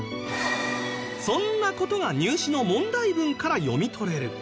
そんな事が入試の問題文から読み取れる